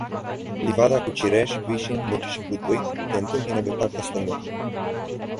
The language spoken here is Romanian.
Livada cu cireși, vișini, nuci și gutui te întâmpină pe partea stângă.